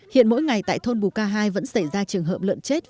hiện mỗi ngày tại thôn bù ca hai vẫn xảy ra trường hợp